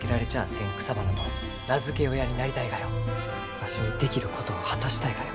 わしにできることを果たしたいがよ。